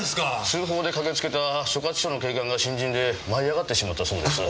通報で駆けつけた所轄署の警官が新人で舞い上がってしまったそうです。